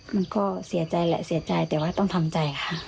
มันก็เสียใจแหละเสียใจแต่ว่าต้องทำใจค่ะ